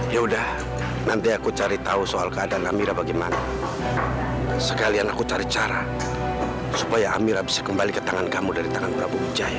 ya udah nanti aku cari tahu soal keadaan amira bagaimana sekalian aku cari cara supaya amira bisa kembali ke tangan kamu dari tangan prabu wijaya